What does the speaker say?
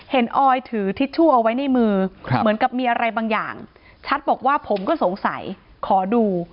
ออยถือทิชชู่เอาไว้ในมือเหมือนกับมีอะไรบางอย่างชัดบอกว่าผมก็สงสัยขอดู